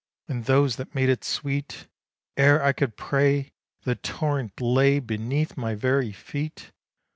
and those that made it sweet: Ere I could pray, the torrent lay beneath my very feet.